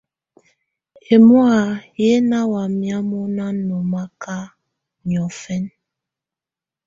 Ɛmɔ̀á yɛ́ ná wáyɛ̀á mɔ́na nɔ́maká niɔ̀fɛna.